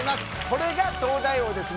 これが東大王です